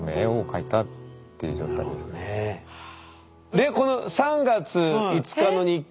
でこの３月５日の日記。